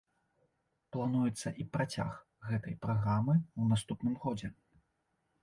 Плануецца і працяг гэтай праграмы ў наступным годзе.